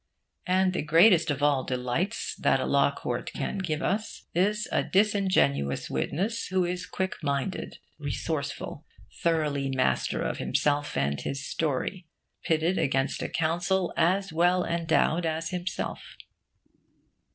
And the greatest of all delights that a law court can give us is a disingenuous witness who is quick minded, resourceful, thoroughly master of himself and his story, pitted against a counsel as well endowed as himself.